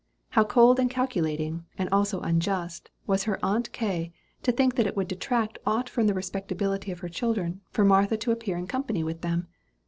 How cold and calculating, and also unjust, was her aunt K., to think that it would detract aught from the respectability of her children for Martha to appear in company with them!